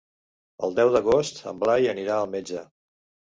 El deu d'agost en Blai anirà al metge.